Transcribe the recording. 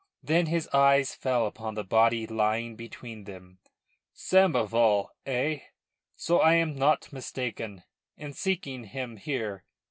Then his eyes fell upon the body lying between them. "Samoval, eh? So I am not mistaken in seeking him here.